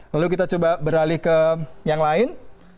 lalu kita coba beralih ke yang lain